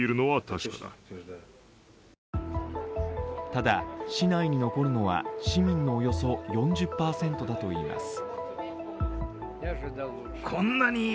ただ、市内に残るのは市民のおよそ４０％だといいます。